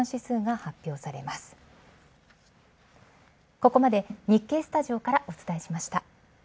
ここまで日経スタジオからお伝えしました。